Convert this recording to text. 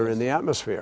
yang ada di atmosfer